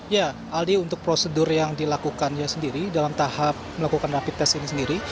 ya aldi untuk prosedur yang dilakukannya sendiri dalam tahap melakukan rapid test ini sendiri